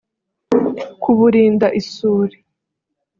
kuburinda isuri